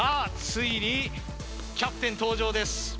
ついにキャプテン登場です